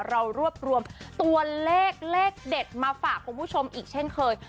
เรารวบรวมตัวเลขเลขเด็ดมาฝากคุณผู้ชมอีกเช่นเคย